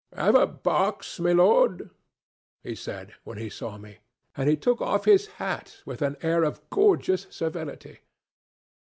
'Have a box, my Lord?' he said, when he saw me, and he took off his hat with an air of gorgeous servility.